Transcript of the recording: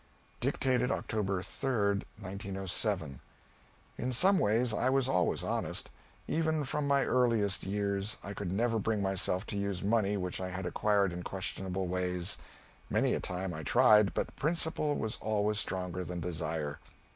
[Dictated October 3, 1907.] In some ways, I was always honest; even from my earliest years I could never bring myself to use money which I had acquired in questionable ways; many a time I tried, but principle was always stronger than desire.